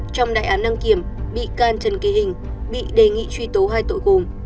trong đại án đăng kiểm bị can trần kỳ hình bị đề nghị truy tố hai tội gồm